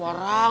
ga ada urusan